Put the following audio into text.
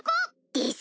です！